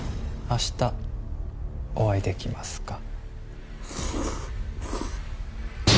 明日お会いできますか？